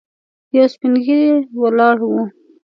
یو سپين ږيری ولاړ و.